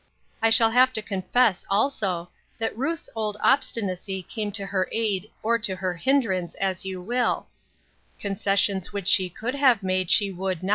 I shall have to confess, also, that Ruth's old obstinacy came to her aid or to her hinderance, as you will ; con cessions which she could have made she would 18 PLANTS THAT HAD BLOSSOMED.